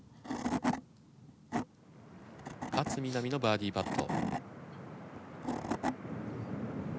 勝みなみのバーディパット。